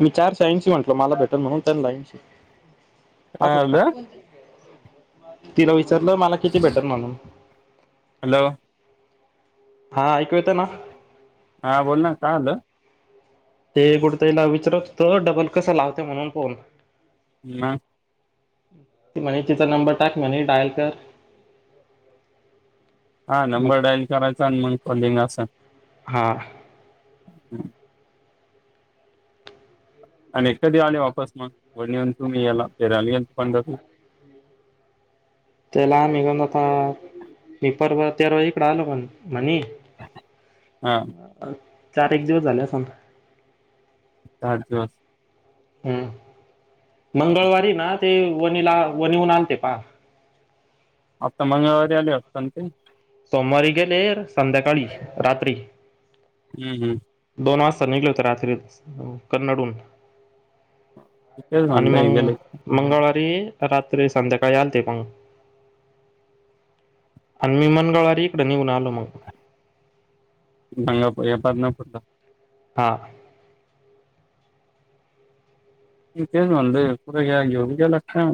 मी चार शईंशी म्हंटलो मला भेटल म्हणून त्यां लाईनस काय असच का आलं तेिरा वि विचलं मला किती बेटर म्हणून हॅलो हा ऐकू येत ना हा बोल ना का आलं ते कुठेतला विचारत तर डबल कसं लावते म्हणून फोन हम् त म्हणे तिचा नंबर टाक म्हणे डायल कर हा मग नंबर डाईल करायचा आणि म कॉलिंग अस हा हम् आणि कधी आले वापस मग व येऊन तुम्ही याला फर आलींत पण [inaudible] त्याला निघन आता मी परवा तेराज इकड आलो पण म्हणे हा चार एक दिवस झाले सताा च दिवस हम् हं. मंगळवारी ना ते वणीला वणीहन आणते पहा. आता मंगळवारी आली असत ते सोमवारी गेले संध्याकाळी रात्री हम्म हम्म. दोन वाजता निघले होते रात्री कन्नडून तेच आणि म्हणलंय मंग गेले मंगळवारी रात्री संध्याकाळी आल ते पग आणि मी मनगळवारी इकड निघून आलो मग गंगा पा न फुटलं. हा. त ते म्हणलं पु घ घोरच्या लक्षा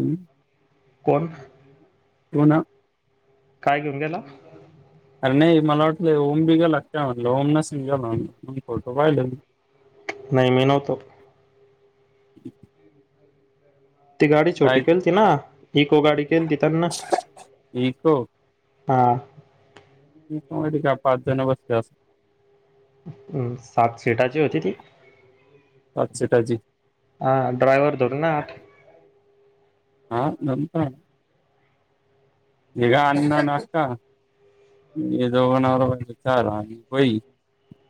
कोण? हो ना. काय घेऊन गेला. अरे नाही मला वाटलं ओम बि गेला का काय म्हटलं ओम नसन गेला मी फोटो पाहिले न नाही मी नव्हतो. [unintelligible] ती गाडी छोटी काय केलती ना, इको गाडी केलीती त्यांना इको हा. इको मध्ये का पाच जण बसले असतील. हूं सात सिटाची होती ती. पाच सीटाची हा ड्रायवर धरून आठ. हा नम का निघा अन्न नाष्टा. हे दोघं नवराबायको चार आणि वई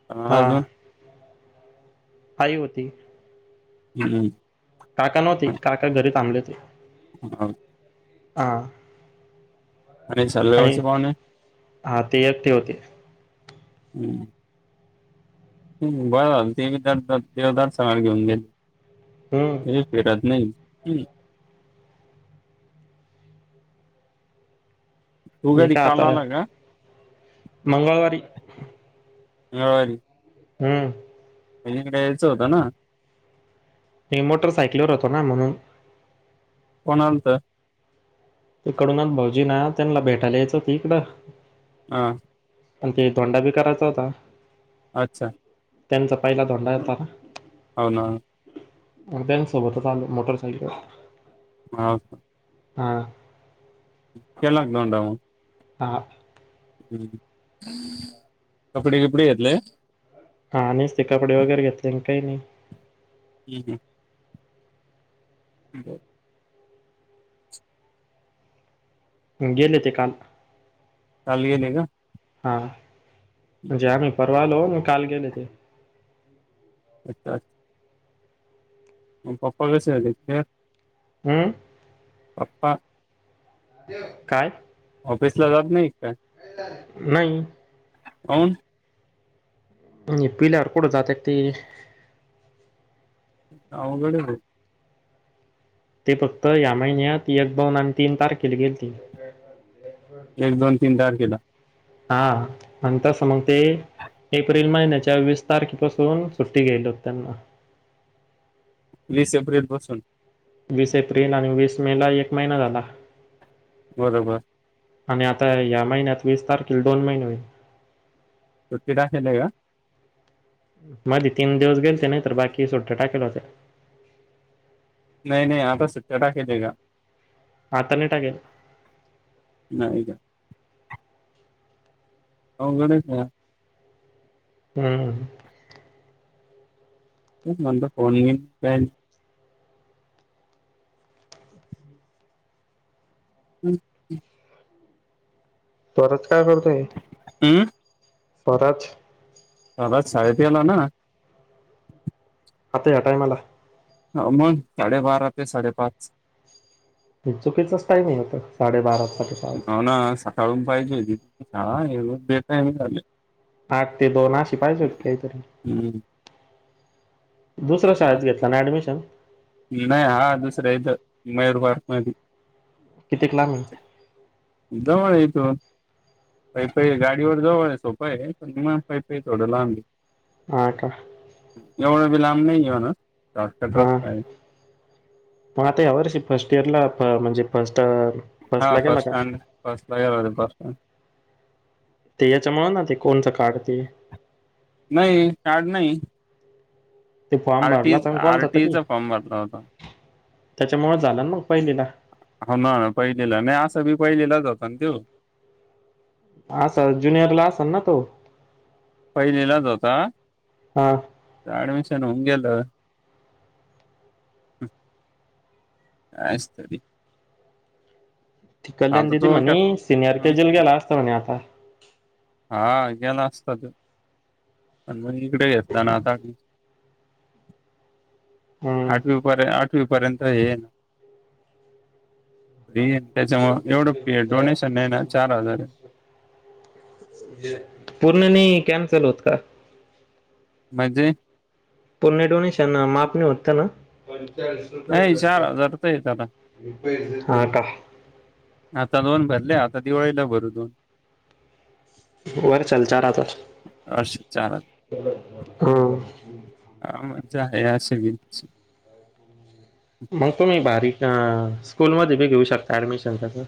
प हा अजून आई होती. हुं हू. काका नव्हते काका घरी थांबले होते. भाऊ हा. आणि सर्वे होते पावणे हा ते एकटे होते ह बरं झाल ती बी देवदर्सनाला घेऊन गेली. हम्म, हे फेरच नाही हम. तू मी कधी काय काल आता आला का नाही मंगळवारी मंगळवारी. हू. पलीकडे यायच होत ना. मी मोटर सायकलवर होतो ना म्हणून कोण आलंत. तीकडूनच भाऊजी ना त्यांना भेटायला यायचं होत इकडं. हा. आणि ते धोंडा बी करायचा होता. अच्छा. त्यांचा पहिला धोंडा होता ना. हाव ना. त्यांच सोबतच आल मोटरसायकलवर हाव का? हा. केला का धोंडा मग अ हा. हुं कपडी गिपडे घेतले. हा निसते कपडे वगैरे घेतले अन् काही नाही. हुं हू [unintelligible] गेले ते काल काल गेले का. हा म्हणजे आम्ही परवा आलो, मग काल गेले ते. [unintelligible] मग पप्पा कसे आले काल हुं वापा काय ऑफिस ला जात नाही काय नाही कोण पिलावर कुठं जात ते अवघड अहं भाऊ ते फक्त या महिन्यात एक दोन आणि तीन तारखेला गेलती एक दोन तीन तारखेला हा आणिं तस मग ते एप्रिल महिन्याय च्या वीस तारखे पासून सुट्टी घ्याल होत त्यांना वीस एप्रिल पासून वीस एप्रिल आणि वीस मे ला एक महिना झाला बरोबर आणि आता या महिन्यात वीस तारखे दोन महिने होईल सुट्टी टाकलं आहे का मध्ये तीन दिवस गेले नाही तर बाकी सुट्ट्या टाकेल होत नाही नाही आता सुट्या टाकायच्या आहे का आता नाही टाकेल नाही का हो गणेश भाऊ हम्म नंतर फोन बिन काही नाही हम् परत काय करतोय हमं पाराच ला शाळेत तेया ला ना आता या्या टायमाला ह मग साडेबारा ते साडेपाच चुकीचाच टाइम आहे आता साडेबारा साडेपाच. हो ना सकाळून पाहिजे होती हा येव बे टायमली आठ ते दोन अशी पाहिजे होते काहीतरी हम्म दुसऱ्या शाळेत घेतला ना ऍडमिशन नाही हा दुसरं इथं मयूर पार्क मध्ये कितीक लांब आहे? जवळ आहे इथून पैपही गाडीवर जाव सोपाय पण पैपही थोडं लांब आहे ह का एवढे बी लाम नाही म्हणा शॉटकट हा रस्ता आहे मग आता यावर्ष फर्स्ट इयरला म्हणजे फर्स्ट हा फर्स्ट ला बस गेला का? स्टॅड बाजार बस स्ट ते याच्यामुळ ना ते कोणचं काढ ते नाही कार्ड नाही ते फॉर्म आरटी भरलं होता ना कोणतातरी आरटीचा फॉर्म भरला होता त्याच्यामुळे झालन मग पहिलीला हो ना ना पहिलेला नाही असं बी पहिलेलाच होता ना त्यो असं ज्युनियर ला असल ना तो पहिलीलाच होता हा ऍडमिशन होऊन गेलं कायच तरी ती कल्याण आता दिदी तो का म्हणे सिनियर के जल गेला असत म्हणे आता हा गेला असता त्यो आणि मण इकडे घेतला ना आता की हम्म. आठवी पर्य आठवी पर्यंत हाय त्याच्यामुळं एवढं पी डोनेशन नाही ना चार हजार आहे. पूर्ण नाही कॅन्चल होत का? म्हणजे? पुन्हा डोनेशन माप नाही होतं ना, नाही चार हजार तर येत आता हा का? आता दोन भरले, आता दिवाळीला भरू दोन. वर चलचा राहतात, असे चार हजार हम हा मज्जा आहे असं बी मग तुम्ही बारीकं स्कूलमध्ये बी घेऊ शकता ऍडमिशन त्याचं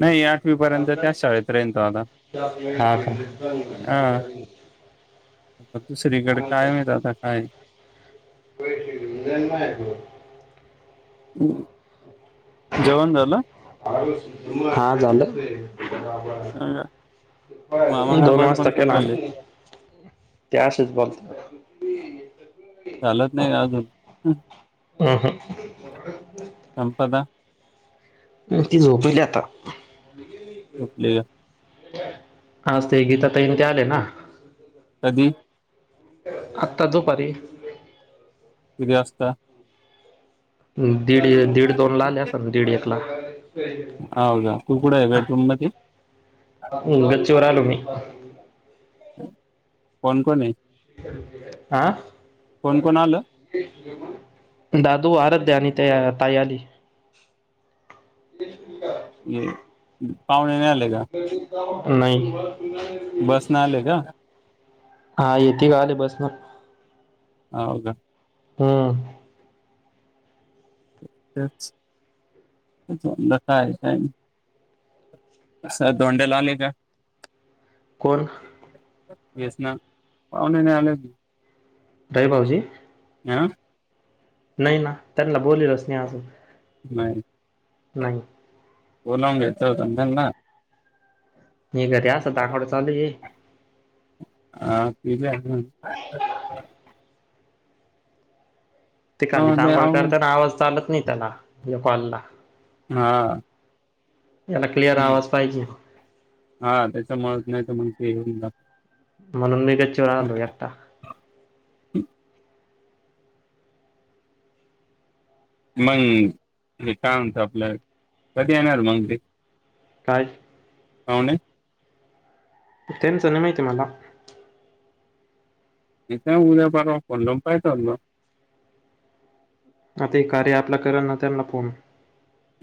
नाही आठवी पर्यंत तर त्याच शाळेत राहीन तो आता. हा [unintelligible] दुसरीकडे काय माहित आता काय? [unintelligible] जेवन झालं? हा झालं. अ मामा काय दोन बडबड वाजता करु केला राहिले ते असच बोलता चालत नाही अजून संपदा म ती झोपीली आता झोपली का आज ते गीता ताई न ते आले ना, हम्म आत्ता दोपारी किती वास्ता? दीड दीड दोन ला आले असल ना दीड एक ला हाव का तू कुठे आहे बेटरूम मध्ये? ह् गच्चीवर आलो मी. कोण कोण आहे? आ कोण कोण आलं दादू, आराध्या आणि त्या ताई आली. [unintelligible] ये पावणे नाही आ नाही बसनं आले का? हा येेते ग आले बसनं. ह हो का? हम तेच का [unintelligible] साहेब धोंड्याला आले का? कोण? एस् मॅम, पावणे नाही आले की दया भाऊजी हं नाही ना त्यांना बोलीवलच नाही अजून. नाही. बोलावुन घ्यायच होत ना त्यांना. हे क असं दाखवड चालू ये अ [unintelligible] ते अ, काली दांगड आवडून करताना आवाज चालत नाही त्याला या कॉलला हा याला क्लिअर आवाज पाहिजे. हा त्याच मूळ नाही तर म्हण येऊन ज म्हणून मी गच्चीवर आलो एकटा ह मंग हे [unintelligible] आपलं कधी येणार मंग ते कायच अवन तेनच नाय माहिती मला तथ उद्याप फणलं पाय चाललं आता हे कार्य ॲपला [unintelligible] फोन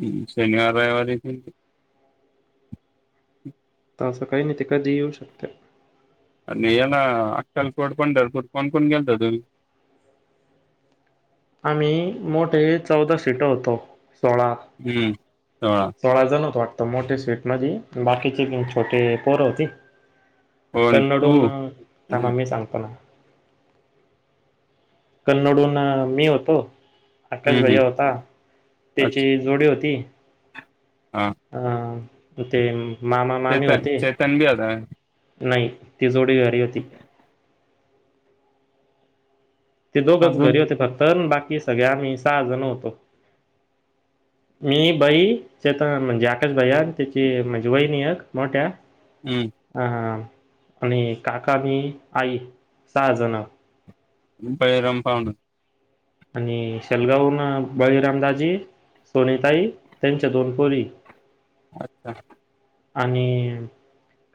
हम् शनिवार रविवारीती त त असं काय नाई न ते कधीही येऊ शकते आणि याला अक्कलकोट पंढरपूर कोण कोण गेलता तुम्ही आम्ही मोठे चौदा सीट होतो सोळा हं, सोळाचा जण मोठे सीट म्हणजी म बाकीचे म छोटे पोर होती कोण तू? कन्नडून थांबा हं, मी सांगतो ना कन्नडून न मी होतो आकाश हं. भैया होता अच्छा त्याची जोडी हुती हां. हं ते मामा मामी चेतन होते चेतन बी होता काय? नाही ती जोडी घरी होती ते दोघच अजून? घरी होते फक्त अन् बाकी सगळे आम्ही सहा जण होतो मी बाई त्या तर म्हणजे आकाश भैया त्याची म्हणजे वहिणी एक मोठ्या हं, हा हा आणि काका मी आई सहा जण पहिरम पावड आणि [unintelligible] बळीरामदाजी सोनियाताई त्यांच्या दोन पोरी अच्छा आणि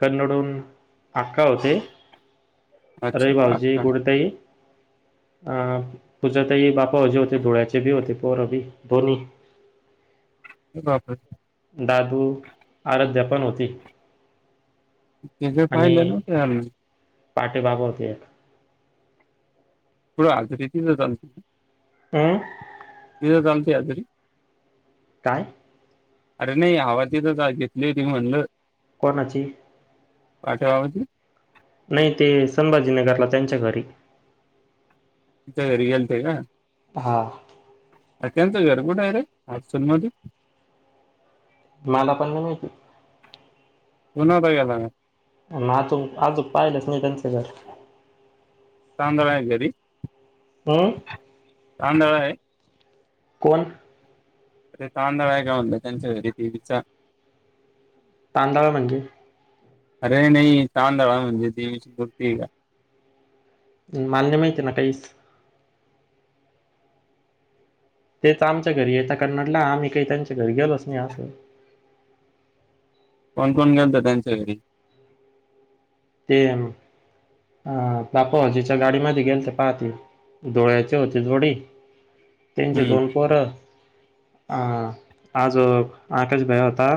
कन्नडून आक्का होते अरे अच्छा, भाऊजी अक्का. [unintelligible] अ.. तुझ् ताई बापाजे होते धुळ्याचे बी होते पोर बी दो्ही ह वापर आराध्या पण होती त जे पाहिलं ना ते. पाठी बाबा होते एक करं हाजरी ती तर जस हम्म ह तत यारी काय अरे नाही हवा तिथं घेतली ती म्हणलं कोणाची? पाठवावती. नाय ते संभाजीनगरला त्यांच्या घरी घरी गेलते का. हा. अ त्यांचं घर कुठंय रे [unintelligible] मधे. मला पण नाही माहिती. तू नव्हता गेला मग. आजुन अजून पाहिलंच नाय त्यानच घर. तांदळाय घरी हम्म तांदळाय कोण? ते तांदळा एका त्यांच्या घरी ते विचार. तांदळ म्हणजे? अरे नाही तांदळा म्हणजे ती [unintelligible] का? मला नाही माहिती ना काहीच. तेच आमच्या घरी येेत कन्नाटला आम्ही काही त्यांच्या घरी गेलोच नाही असं. [unintelligible] कोण कोण गेलत त्यांच्या घरी? ते अ बापूजीच्या गाडीमध्ये गेल ते पाहते. डोळ्याचे होती जोडी तीनशे हम्म दोन पोरं अ आज आकाशभाई होता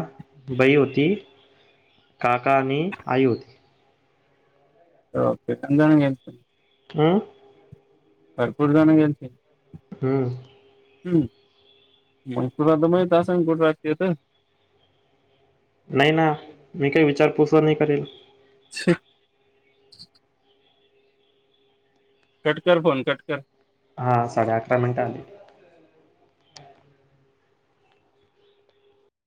बाई होती काका आणि आई होती. किती जण गेलते? हम्म. भरपूर जाण गेले ते. हम्म. हम्म मग तुला तर माहित असेल कुठे राहत्यात. नाही ना मी काही विचारपूसच नाही करेल. अच्छा. कटकर फोन कटकर. हा साडे अकरा मिनटं आली.